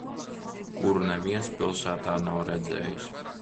Kuru neviens pilsētā nav redzējis.